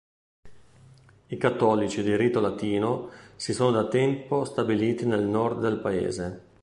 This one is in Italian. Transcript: I cattolici di rito latino si sono da tempo stabiliti nel nord del Paese.